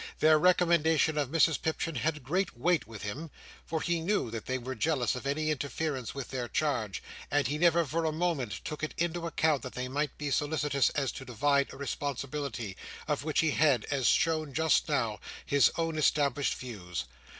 Their recommendation of Mrs Pipchin had great weight with him; for he knew that they were jealous of any interference with their charge, and he never for a moment took it into account that they might be solicitous to divide a responsibility, of which he had, as shown just now, his own established views.